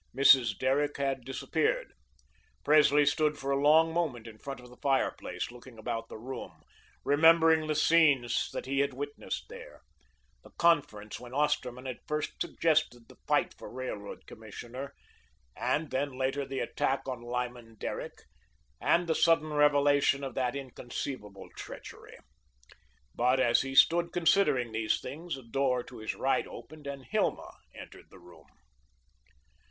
Mrs. Derrick had disappeared. Presley stood for a long moment in front of the fireplace, looking about the room, remembering the scenes that he had witnessed there the conference when Osterman had first suggested the fight for Railroad Commissioner and then later the attack on Lyman Derrick and the sudden revelation of that inconceivable treachery. But as he stood considering these things a door to his right opened and Hilma entered the room.